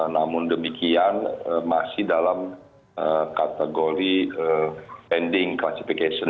namun demikian masih dalam kategori pending classification